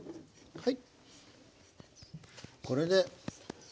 はい。